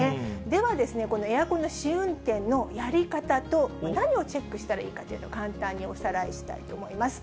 では、このエアコンの試運転のやり方と、何をチェックしたらいいかというのを簡単におさらいしたいと思います。